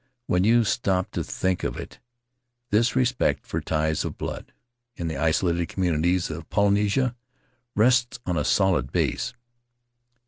When you stop to think of it, this respect for ties of blood — in the isolated communities of Polynesia — rests on a solid base."